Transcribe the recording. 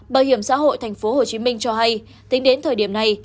bảo hiểm xã hội tp hcm cho hay tính đến thời điểm này